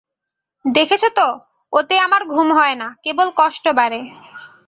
দেখেছ তো, ওতে আমার ঘুম হয় না, কেবল কষ্ট বাড়ে।